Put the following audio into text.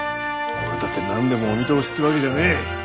俺だって何でもお見通しってわけじゃねえ。